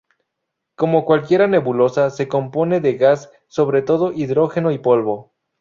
Como cualquier nebulosa, se compone de gas, sobre todo hidrógeno y polvo.